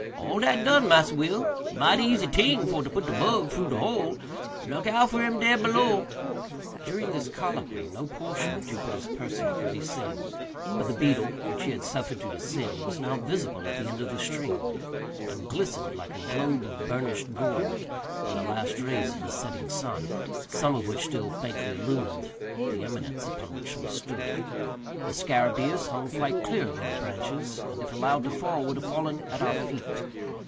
"All dat done, Massa Will; mighty easy ting for to put de bug fru de hole—look out for him dare below!" During this colloquy no portion of Jupiter's person could be seen; but the beetle, which he had suffered to descend, was now visible at the end of the string, and glistened, like a globe of burnished gold, in the last rays of the setting sun, some of which still faintly illumined the eminence upon which we stood. The scarabæus hung quite clear of any branches, and, if allowed to fall, would have fallen at our feet.